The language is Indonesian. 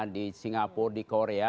di singapura di korea